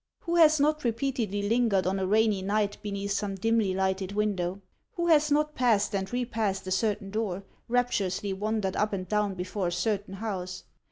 Who has not repeatedly lingered on a rainy night beneath some dimly lighted window ? Who has not passed and repassed a certain door, rapturously wan dered up and down before a certain house